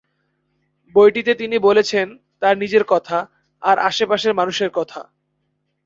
বইটিতে তিনি বলেছেন তার নিজের কথা, আর আশেপাশের মানুষের কথা।